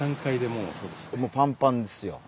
もうパンパンですよ。